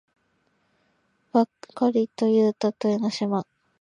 ばかりとゆうたと江の島